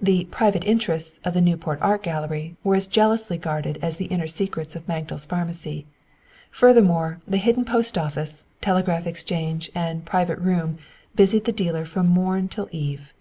The "private interests" of the Newport Art Gallery were as jealously guarded as the inner secrets of Magdal's Pharmacy; furthermore, the hidden post office, telegraph exchange, and "private room" busied the dealer from morn till eve.